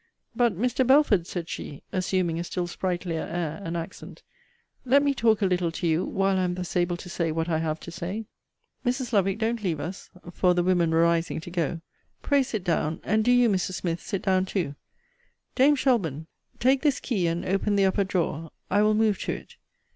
But, Mr. Belford, said she, assuming a still sprightlier air and accent, let me talk a little to you, while I am thus able to say what I have to say. Mrs. Lovick, don't leave us, [for the women were rising to go,] pray sit down; and do you, Mrs. Smith, sit down too. Dame Shelbourne, take this key, and open the upper drawer. I will move to it.